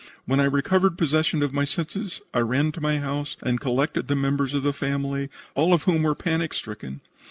When I recovered possession of my senses I ran to my house and collected the members of the family, all of whom were panic stricken.